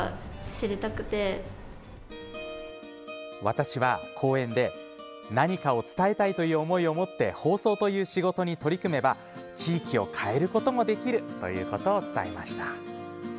私は、その講演で「何かを伝えたいという思いを持って放送という仕事に取り組めば地域を変えることもできる」ということを伝えました。